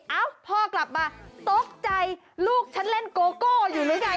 เอ้าพ่อกลับมาตกใจลูกฉันเล่นโกโก้อยู่หรือไง